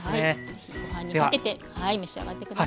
是非ご飯にかけて召し上がって下さい。